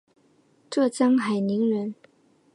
浙江海宁人。